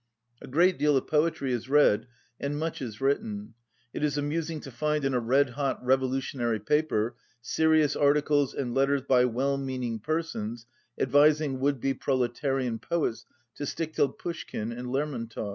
A great deal of poetry is read, and much is written. It is amusing to find in a red hot revolutionary paper serious articles and letters by well meaning persons advising would be proletarian poets to stick to Pushkin and Lermon tov.